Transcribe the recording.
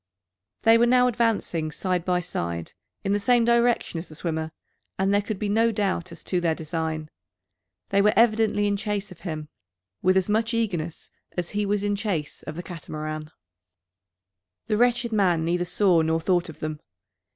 They were now advancing side by side, in the same direction as the swimmer, and there could be no doubt as to their design. They were evidently in chase of him, with as much eagerness as he was in chase of the Catamaran. The wretched man neither saw nor thought of them.